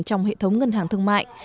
trong hệ thống ngân hàng thương mại